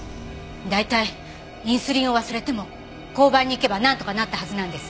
大体インスリンを忘れても交番に行けばなんとかなったはずなんです。